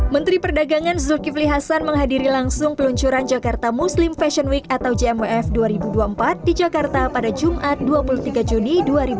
menteri perdagangan zulkifli hasan menghadiri langsung peluncuran jakarta muslim fashion week atau jmwf dua ribu dua puluh empat di jakarta pada jumat dua puluh tiga juni dua ribu dua puluh